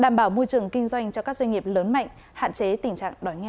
môi trường kinh doanh cho các doanh nghiệp lớn mạnh hạn chế tình trạng đói nghèo